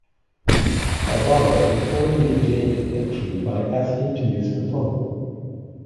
Barbara reportedly gained entry by asking to use her phone.